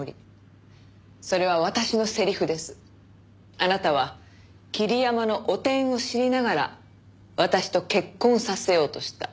あなたは桐山の汚点を知りながら私と結婚させようとした。